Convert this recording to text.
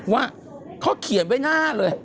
ว่าเขาเขียนไว้หน้าเลย